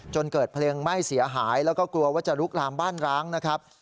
จนเกิดเพลิงไหม้เสียหายแล้วก็กลัวว่าจะลุกลามบ้านร้างนะครับ